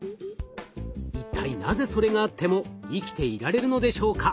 一体なぜそれがあっても生きていられるのでしょうか？